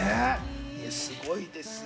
すごいですよ。